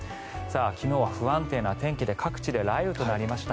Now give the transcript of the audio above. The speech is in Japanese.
昨日は不安定な天気で各地で雷雨となりました。